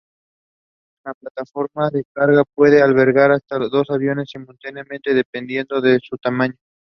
La plataforma de carga puede albergar hasta dos aviones simultáneamente, dependiendo de su tamaño.